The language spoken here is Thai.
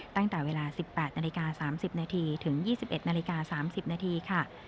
ตั้งแต่เวลา๑๘นาฬิกา๓๐นาทีถึง๒๑นาฬิกา๓๐นาทีค่ะ